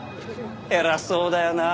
偉そうだよなあ。